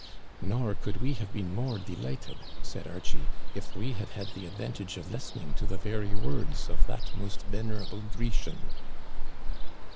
" Nor could we have been more delighted," said Archie, " if we had had the advantage of listening to the very words of that most venerable Grecian."